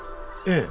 ええ。